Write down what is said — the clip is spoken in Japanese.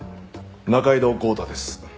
仲井戸豪太です。